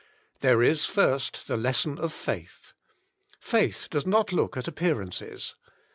There is first the Lesson op Faith. Faith does not look at appearances.